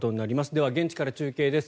では現地から中継です。